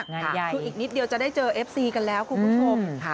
คืออีกนิดเดียวจะได้เจอเอฟซีกันแล้วคุณผู้ชม